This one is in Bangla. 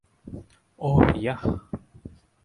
ওহ, ইয়াহ!